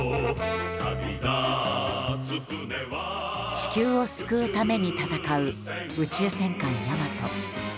地球を救うために戦う「宇宙戦艦ヤマト」。